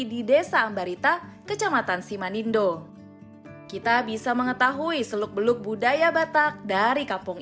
di desa ambarita kecamatan simanindo kita bisa mengetahui seluk beluk budaya batak dari kampung